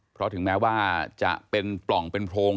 เพราะถึงแม้ว่าจะเป็นปล่องเป็นโพรง